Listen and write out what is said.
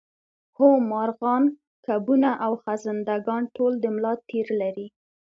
هو مارغان کبونه او خزنده ګان ټول د ملا تیر لري